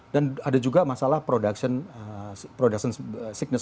dan ada juga masalah production sickness